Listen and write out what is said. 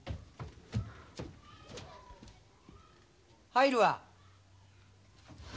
入るわ。